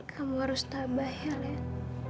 kamu harus tambah ya alen